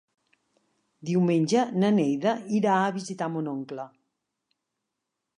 Diumenge na Neida irà a visitar mon oncle.